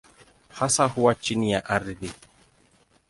Hasa huwa chini ya ardhi.